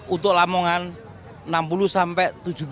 untuk lamongan enam puluh sampai tujuh puluh